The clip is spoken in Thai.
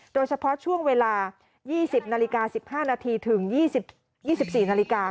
โดยเฉพาะช่วงเวลา๒๐นาฬิกา๑๕นาทีถึง๒๔นาฬิกา